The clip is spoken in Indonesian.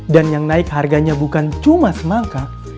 dan yang naik harganya bukan cuma semangka